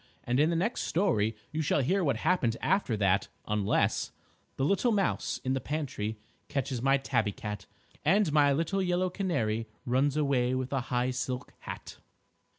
And in the next story you shall hear what happened after that, unless _The little mouse in the pantry Catches my Tabby Cat, And my little yellow canary Runs away with a high silk hat.